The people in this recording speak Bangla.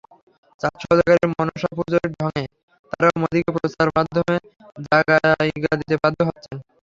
চাঁদ সওদাগরের মনসাপূজার ঢঙে তাঁরাও মোদিকে প্রচারমাধ্যমে জায়গা দিতে বাধ্য হচ্ছেন।